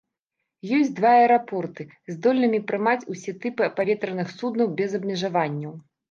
Ёсць два аэрапорты, здольнымі прымаць усе тыпы паветраных суднаў без абмежаванняў.